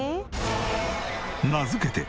名付けて。